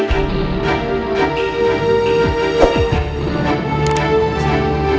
kena adik kita